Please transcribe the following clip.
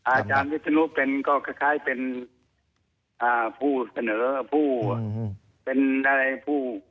อาจารย์วิทยานุก็คล้ายเป็นผู้เสนอผู้เวิน